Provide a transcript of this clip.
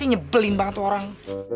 nyebelin banget orang